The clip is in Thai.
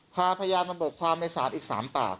พาพยานมาเบิกความในศาลอีก๓ปาก